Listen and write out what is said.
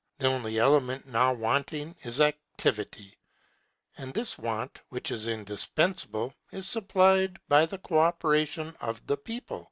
The only element now wanting is Activity; and this want, which is indispensable, is supplied by the co operation of the people.